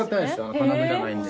金具じゃないんで。